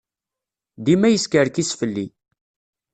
Dima yeskerkis fell-i.